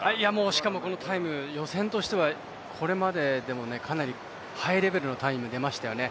しかもこのタイム、予選としてはこれまででもかなりハイレベルなタイムが出ましたよね。